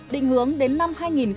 định hướng đến năm hai nghìn hai mươi